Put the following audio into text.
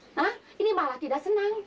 nah ini malah tidak senang